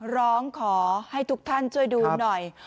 ร้องขอให้ทุกท่านช่วยดูหน่อย